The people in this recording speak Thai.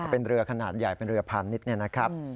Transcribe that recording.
เป็นเรือขนาดใหญ่เป็นเรือพาณิชย์เนี่ยนะครับ